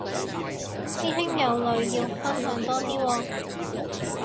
師兄有女要分享多啲喎